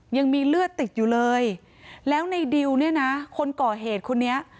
ยังมีเลือดติดอยู่เลยแล้วในดิวเนี่ยนะคนก่อเหตุคนนี้